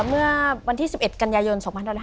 เมื่อวันที่๑๑กันยายน๒๕๕๙